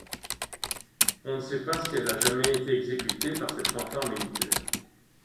On ne sait pas si elle a jamais été exécutée par cette fanfare militaire.